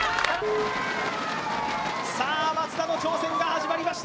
さあ、松田の挑戦が始まりました。